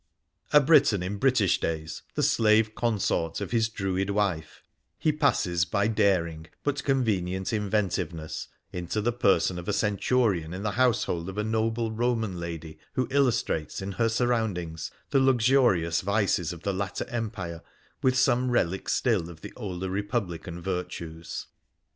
A Briton in British days, the slave consort of his Druid wife, he passes, by daring but convenient inventiveness, into the person of a Centurion in the household of a noble Eoman lady who illustrates in her surroundings the luxurious vices of the latter empire with some relics still of the older Bepublican virtues.